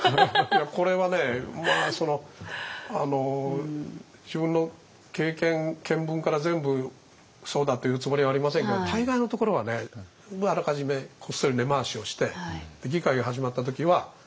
これはね自分の経験見分から全部そうだと言うつもりはありませんけど大概のところはねあらかじめこっそり根回しをして議会が始まった時はもうすんなり決まるんですよ